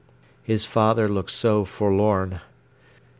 His father looked so forlorn.